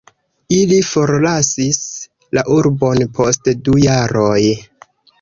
Ili forlasis la urbon post du jaroj.